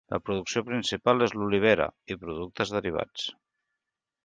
La producció principal és l'olivera i productes derivats.